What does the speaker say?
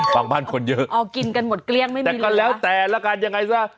ฝั่งบ้านคนเยอะอ๋อกินกันหมดเกลี้ยงไม่ได้แต่ก็แล้วแต่ละกันยังไงซะ